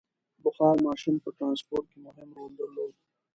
• بخار ماشین په ټرانسپورټ کې مهم رول درلود.